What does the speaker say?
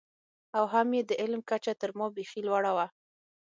او هم یې د علم کچه تر ما بېخي لوړه وه.